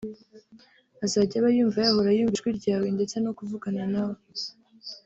azajya aba yumva yahora yumva ijwi ryawe ndetse no kuvugana nawe